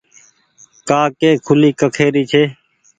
ڪآ ڪي کوُلي ڪکي ري ڇي